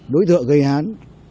đối tượng gây án